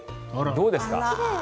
どうですか。